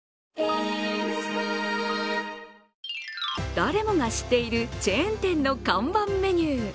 誰もが知っているチェーン店の看板メニュー。